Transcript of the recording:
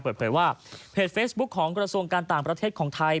เปิดเผยว่าเพจเฟซบุ๊คของกระทรวงการต่างประเทศของไทย